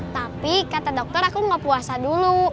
tapi kata dokter aku nggak puasa dulu